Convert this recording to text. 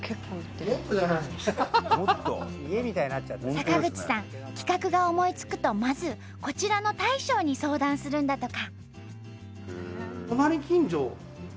坂口さん企画が思いつくとまずこちらの大将に相談するんだとか。